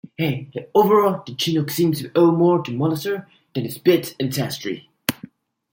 Overall, the Chinook seems to owe more to molosser than to spitz ancestry.